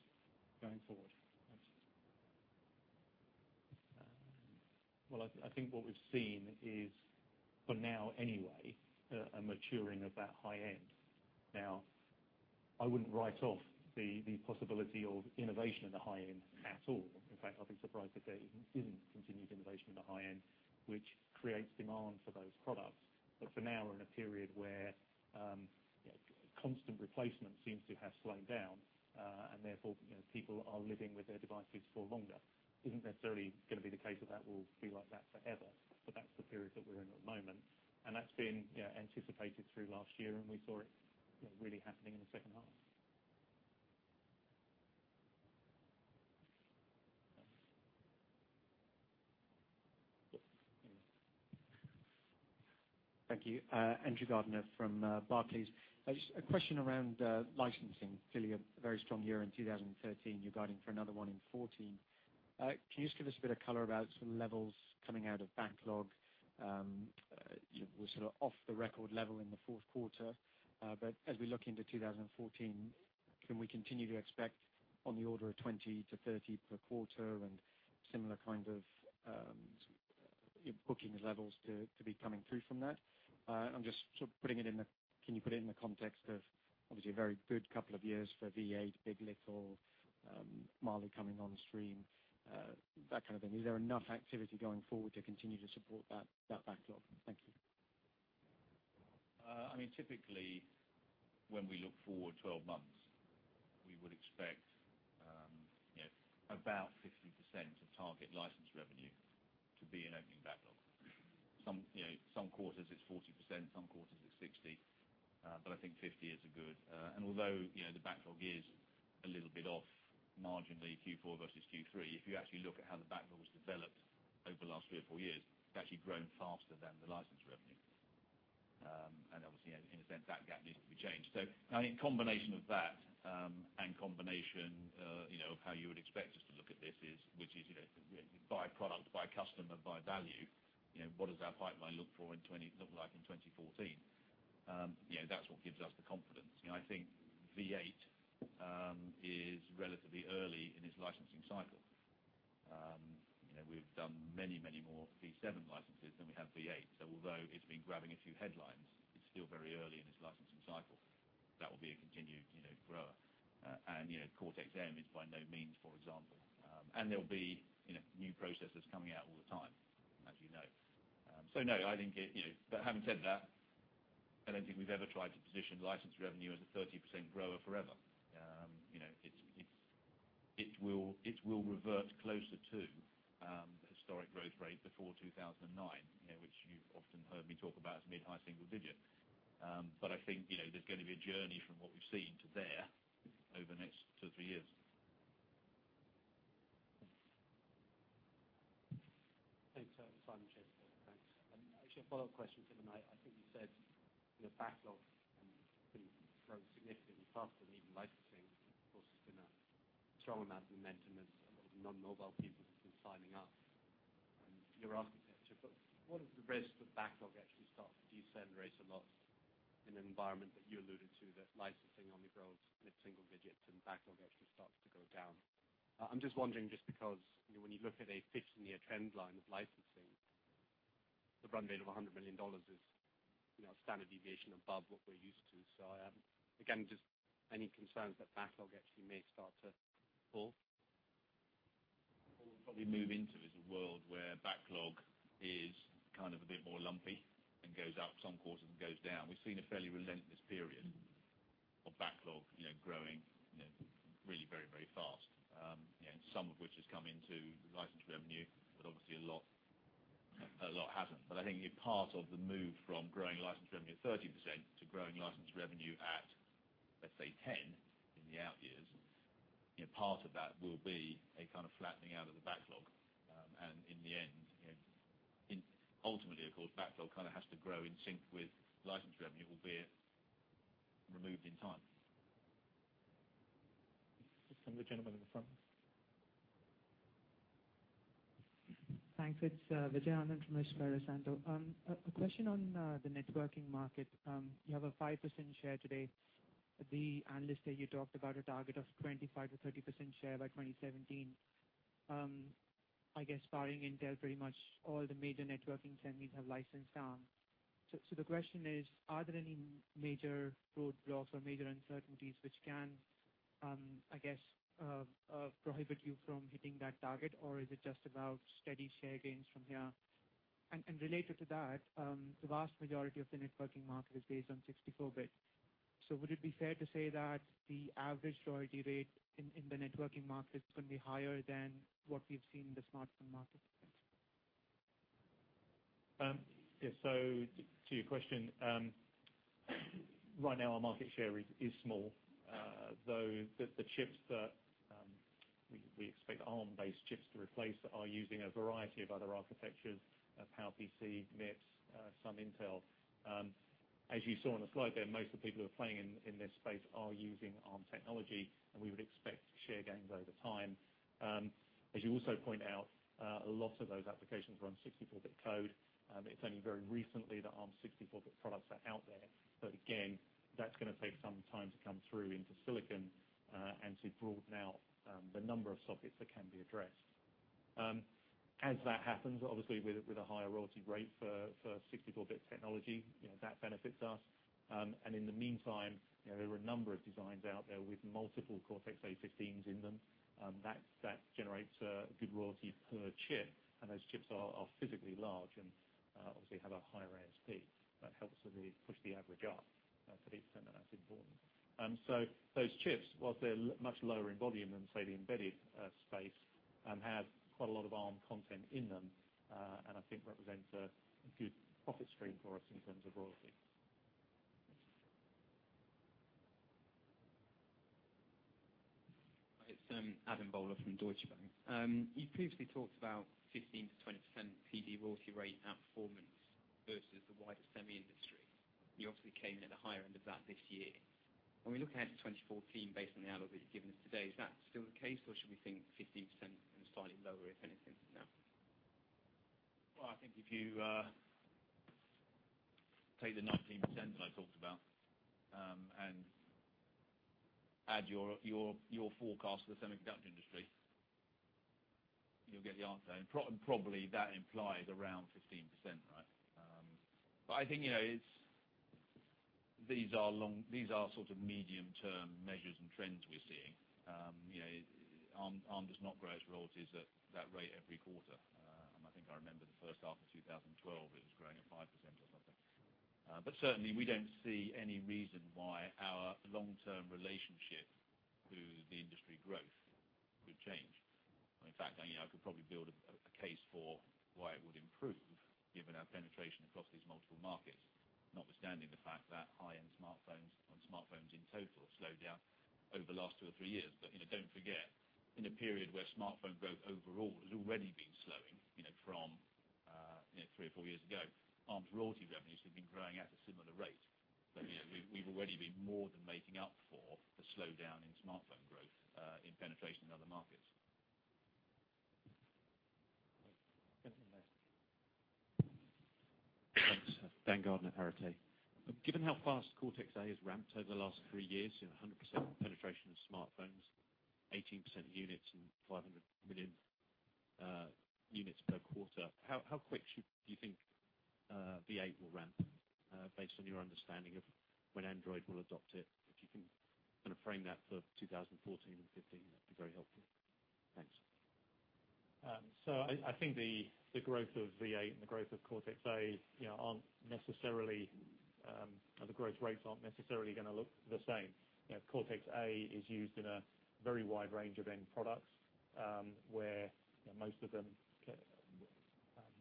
going forward? Thanks. Well, I think what we've seen is, for now anyway, a maturing of that high end. Now, I wouldn't write off the possibility of innovation at the high end at all. In fact, I'd be surprised if there isn't continued innovation at the high end, which creates demand for those products. For now, we're in a period where constant replacement seems to have slowed down. Therefore, people are living with their devices for longer. Isn't necessarily going to be the case that will be like that forever. That's the period that we're in at the moment. That's been anticipated through last year, and we saw it really happening in the second half. Yes. Thank you. Andrew Gardiner from Barclays. Just a question around licensing. Clearly a very strong year in 2013. You're guiding for another one in 2014. Can you just give us a bit of color about some levels coming out of backlog? We're off the record level in the fourth quarter. As we look into 2014, can we continue to expect on the order of 20 to 30 per quarter and similar kind of booking levels to be coming through from that? Can you put it in the context of obviously a very good couple of years for V8, big. LITTLE, Mali coming on stream that kind of thing. Is there enough activity going forward to continue to support that backlog? Thank you. Typically, when we look forward 12 months, we would expect about 50% of target license revenue to be in opening backlog. Some quarters it's 40%, some quarters it's 60. I think 50 is good. Although the backlog is a little bit off marginally Q4 versus Q3, if you actually look at how the backlog has developed over the last three or four years, it's actually grown faster than the license revenue. Obviously, in a sense, that gap needs to be changed. I think combination of that and combination of how you would expect us to look at this is, which is by product, by customer, by value. What does our pipeline look like in 2014? That's what gives us the confidence. I think V8 is relatively early in its licensing cycle. We've done many more V7 licenses than we have V8. Although it's been grabbing a few headlines, it's still very early in its licensing cycle. That will be a continued grower. Cortex-M is by no means, for example. There will be new processors coming out all the time, as you know. Having said that, I don't think we've ever tried to position license revenue as a 30% grower forever. It will revert closer to historic growth rate before 2009, which you've often heard me talk about as mid-high single digits. I think there's going to be a journey from what we've seen to there over the next two, three years. Simon Schafer. Thanks. Actually, a follow-up question, Simon. I think you said your backlog can grow significantly faster than even licensing. Of course, there's been a strong amount of momentum as a lot of non-mobile people have been signing up your architecture. What is the risk that backlog actually starts to descend rates a lot in an environment that you alluded to that licensing only grows mid-single digits and backlog actually starts to go down? I'm just wondering just because when you look at a 15-year trend line of licensing, the run rate of GBP 100 million is standard deviation above what we're used to. Again, just any concerns that backlog actually may start to fall? What we'll probably move into is a world where backlog is a bit more lumpy and goes up some quarters and goes down. We've seen a fairly relentless period of backlog growing really very fast. Some of which has come into license revenue, obviously a lot hasn't. I think part of the move from growing license revenue at 30% to growing license revenue at, let's say, 10 in the out years, part of that will be a kind of flattening out of the backlog. In the end, ultimately, of course, backlog has to grow in sync with license revenue, albeit removed in time. From the gentleman in the front. Thanks. It's Vijay Anand from Espirito Santo. A question on the networking market. You have a 5% share today. The analysts say you talked about a target of 25%-30% share by 2017. I guess barring Intel, pretty much all the major networking semis have licensed Arm. The question is, are there any major roadblocks or major uncertainties which can, I guess, prohibit you from hitting that target? Or is it just about steady share gains from here? Related to that, the vast majority of the networking market is based on 64-bit. Would it be fair to say that the average royalty rate in the networking market is going to be higher than what we've seen in the smartphone market? Yeah. To your question, right now our market share is small, though the chips that we expect Arm-based chips to replace are using a variety of other architectures, PowerPC, MIPS, some Intel. As you saw on the slide there, most of the people who are playing in this space are using Arm technology, and we would expect share gains over time. As you also point out, a lot of those applications run 64-bit code. It's only very recently that Arm 64-bit products are out there. Again, that's going to take some time to come through into silicon and to broaden out the number of sockets that can be addressed. As that happens, obviously with a higher royalty rate for 64-bit technology, that benefits us. In the meantime, there are a number of designs out there with multiple Cortex-A15s in them. That generates a good royalty per chip, and those chips are physically large and obviously have a higher ASP that helps push the average up for these, and that's important. Those chips, whilst they're much lower in volume than, say, the embedded space, have quite a lot of Arm content in them, and I think represent a good profit stream for us in terms of royalties. Hi, it's Adam Bowler from Deutsche Bank. You previously talked about 15%-20% PD royalty rate outperformance versus the wider semi industry. You obviously came in at the higher end of that this year. When we look ahead to 2014 based on the outlook that you've given us today, is that still the case or should we think 15% and slightly lower, if anything, now? Well, I think if you take the 19% that I talked about and add your forecast for the semiconductor industry, you'll get the answer. Probably that implies around 15%, right? I think these are sort of medium-term measures and trends we're seeing. Arm does not grow its royalties at that rate every quarter. I think I remember the first half of 2012, it was growing at 5% or something. Certainly we don't see any reason why our long-term relationship to the industry growth would change. In fact, I could probably build a case for why it would improve given our penetration across these multiple markets, notwithstanding the fact that high-end smartphones and smartphones in total slowed down over the last two or three years. Don't forget, in a period where smartphone growth overall has already been slowing from three or four years ago, Arm's royalty revenues have been growing at a similar rate. We've already been more than making up for the slowdown in smartphone growth in penetration in other markets. Ben from. Thanks. Ben Gardner, Arete. Given how fast Cortex A has ramped over the last three years, 100% penetration of smartphones, 18% units and 500 million units per quarter, how quick do you think V8 will ramp based on your understanding of when Android will adopt it? If you can frame that for 2014 and 2015, that'd be very helpful. Thanks. I think the growth of V8 and the growth of Cortex A aren't necessarily. The growth rates aren't necessarily going to look the same. Cortex A is used in a very wide range of end products where most of them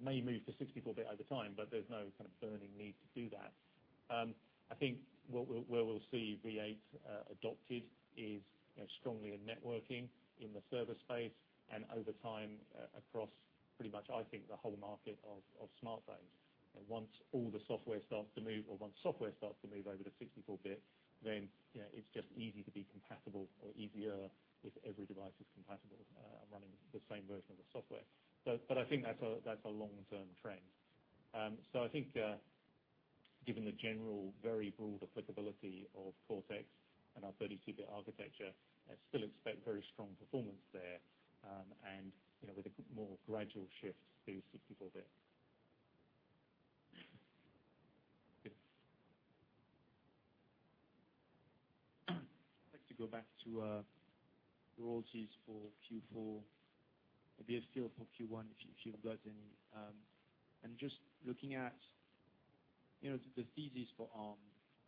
may move to 64-bit over time, but there's no burning need to do that. I think where we'll see V8 adopted is strongly in networking, in the server space, and over time, across pretty much, I think, the whole market of smartphones. Once software starts to move over to 64-bit, it's just easy to be compatible or easier if every device is compatible and running the same version of the software. I think that's a long-term trend. I think given the general very broad applicability of Cortex and our 32-bit architecture, I still expect very strong performance there, and with a more gradual shift to 64-bit. Good. I'd like to go back to royalties for Q4. It'd be a feel for Q1 if you've got any. Just looking at the thesis for Arm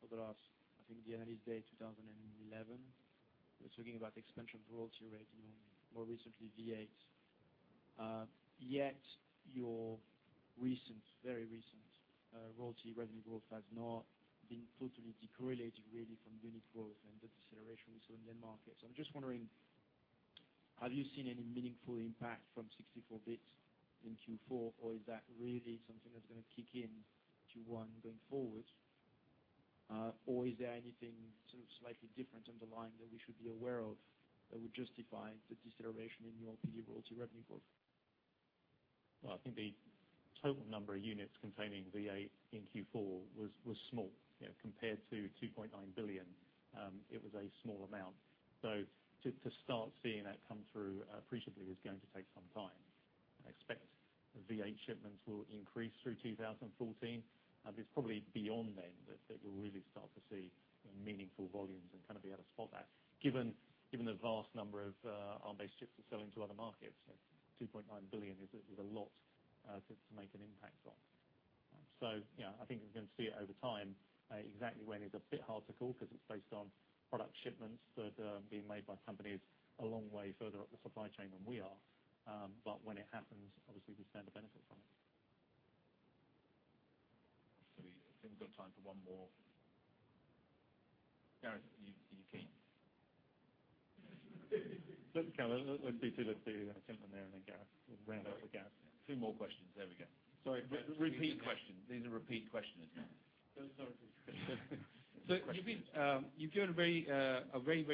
over the last, I think the Analyst Day 2011, was talking about the expansion of royalty revenue, more recently V8. Your very recent royalty revenue growth has not been totally de-correlated really from unit growth and the deceleration we saw in end markets. I'm just wondering, have you seen any meaningful impact from 64-bit in Q4, or is that really something that's going to kick in Q1 going forward? Is there anything slightly different underlying that we should be aware of that would justify the deceleration in your royalty revenue growth? Well, I think the total number of units containing V8 in Q4 was small. Compared to 2.9 billion, it was a small amount. To start seeing that come through appreciably is going to take some time. I expect the V8 shipments will increase through 2014, and it's probably beyond then that we'll really start to see meaningful volumes and be able to spot that. Given the vast number of Arm-based chips we're selling to other markets, 2.9 billion is a lot to make an impact on. Yeah, I think we're going to see it over time. Exactly when is a bit hard to call because it's based on product shipments that are being made by companies a long way further up the supply chain than we are. When it happens, obviously, we stand to benefit from it. I think we've got time for one more. Gareth, are you keen? Let's do Tim from there, and then Gareth. We'll round out with Gareth. Two more questions. There we go. Sorry. Repeat question. These are repeat questions now. Those are repeat questions. You've given a very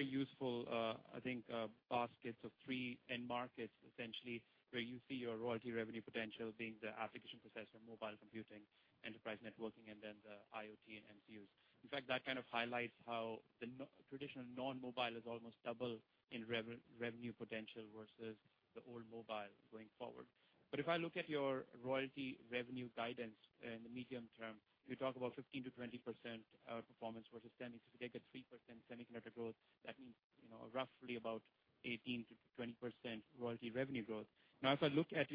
useful, I think, baskets of three end markets, essentially, where you see your royalty revenue potential being the application processor, mobile computing, enterprise networking, and then the IoT and MCUs. In fact, that kind of highlights how the traditional non-mobile is almost double in revenue potential versus the old mobile going forward. If I look at your royalty revenue guidance in the medium term, you talk about 15%-20% performance versus 10. If you take a 3% semiconductor growth, that means roughly about 18%-20% royalty revenue growth. If I look at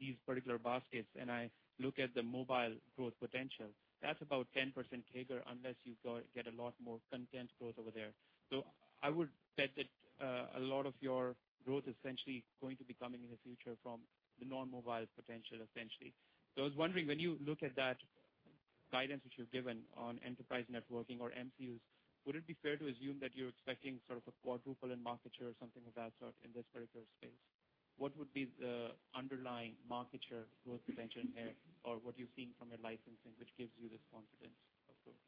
these particular baskets and I look at the mobile growth potential, that's about 10% CAGR unless you go get a lot more content growth over there. I would bet that a lot of your growth essentially is going to be coming in the future from the non-mobile potential, essentially. I was wondering, when you look at that guidance which you've given on enterprise networking or MCUs, would it be fair to assume that you're expecting sort of a quadruple in market share or something of that sort in this particular space? What would be the underlying market share growth potential there, or what are you seeing from your licensing which gives you this confidence of growth?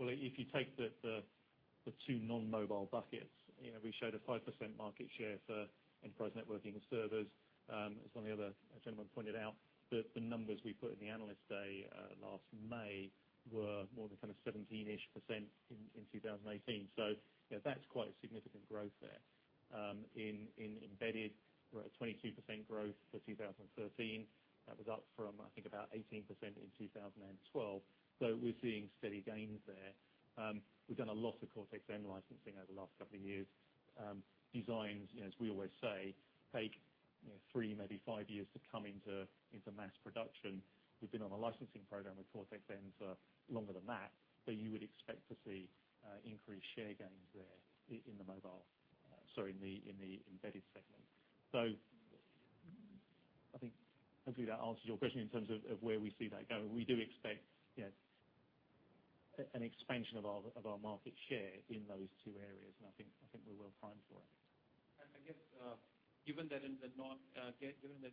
Well, if you take the two non-mobile buckets, we showed a 5% market share for enterprise networking and servers. As one of the other gentlemen pointed out, the numbers we put in the Analyst Day last May were more than kind of 17-ish% in 2018. That's quite a significant growth there. In embedded, we're at 22% growth for 2013. That was up from, I think, about 18% in 2012. We're seeing steady gains there. We've done a lot of Cortex-M licensing over the last couple of years. Designs, as we always say, take three, maybe five years to come into mass production. We've been on a licensing program with Cortex-M for longer than that, so you would expect to see increased share gains there in the embedded segment. I think hopefully that answers your question in terms of where we see that going. We do expect an expansion of our market share in those two areas, I think we're well primed for it. I guess given the Internet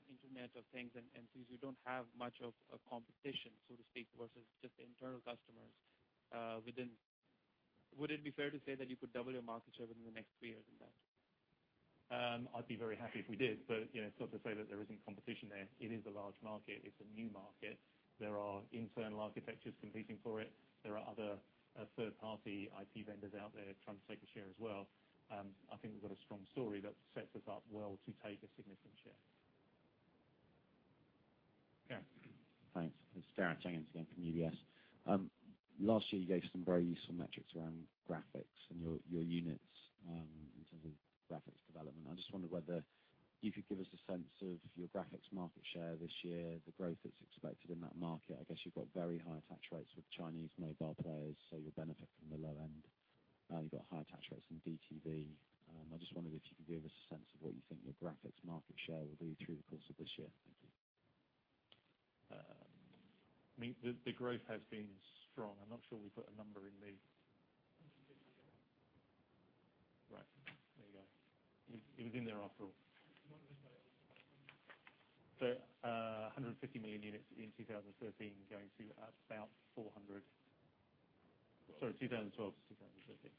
of Things and since you don't have much of a competition, so to speak, versus just the internal customers within, would it be fair to say that you could double your market share within the next three years in that? I'd be very happy if we did. It's not to say that there isn't competition there. It is a large market. It's a new market. There are internal architectures competing for it. There are other third-party IP vendors out there trying to take a share as well. I think we've got a strong story that sets us up well to take a significant share. Gareth. Thanks. It's Gareth Jenkins again from UBS. Last year, you gave some very useful metrics around graphics and your units in terms of graphics development. I just wondered whether you could give us a sense of your graphics market share this year, the growth that's expected in that market. I guess you've got very high attach rates with Chinese mobile players, so you'll benefit from the low end. You've got high attach rates in DTV. I just wondered if you could give us a sense of what you think your graphics market share will be through the course of this year. Thank you. The growth has been strong. I'm not sure we put a number in the 150. Right. There you go. It was in there after all. You want this one. 150 million units in 2013 going to about 400. Sorry, 2012 to 2013.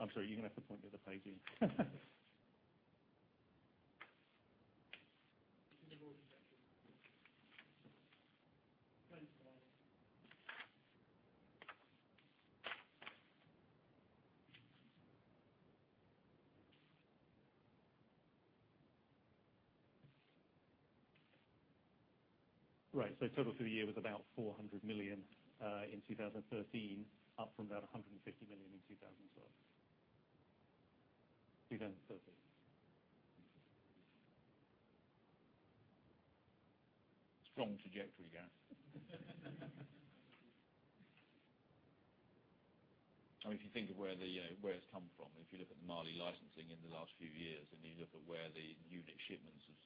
I'm sorry, you're going to have to point me the page in. It's in the growth section. 2012. Right. Total through the year was about 400 million in 2013, up from about 150 million in 2012. 2013. Strong trajectory, Gareth. If you think of where it's come from, if you look at the Mali licensing in the last few years, and you look at where the unit shipments have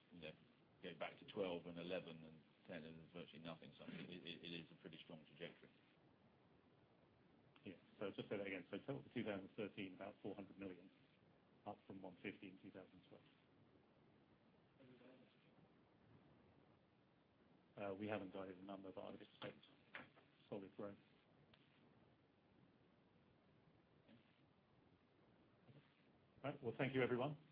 gone back to 12 and 11 and 10 and virtually nothing, it is a pretty strong trajectory. I'll just say that again. Total for 2013, about 400 million, up from 150 in 2012. The rest? We haven't guided a number, but I would expect solid growth. All right. Well, thank you, everyone.